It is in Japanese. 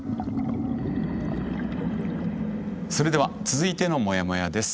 それでは続いてのモヤモヤです。